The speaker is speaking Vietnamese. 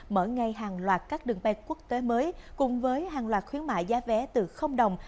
mở ngay hàng loạt các đường bay quốc tế mới cùng với hàng loạt khuyến mại giá vé từ đồng